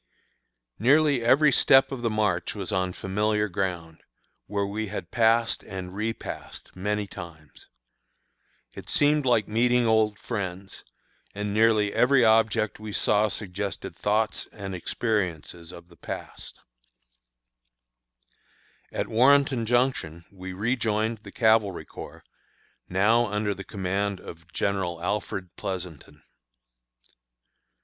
Nearly every step of the march was on familiar ground, where we had passed and repassed many times. It seemed like meeting old friends, and nearly every object we saw suggested thoughts and experiences of the past. [Illustration: CAVALRY FIGHT AT BRANDY STATION, JUNE 9th, 1863.] At Warrenton Junction we rejoined the Cavalry Corps, now under the command of General Alfred Pleasonton.